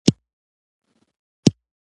تر سفر څو ورځې دمخه مې ټابلیټ واخیست.